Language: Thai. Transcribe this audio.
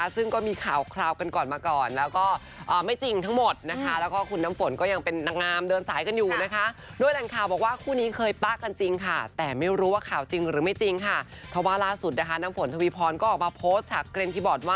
ซึ่งก็มีข่าวกันก่อนมาก่อน